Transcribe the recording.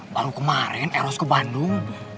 baru kemarin eros ke bandung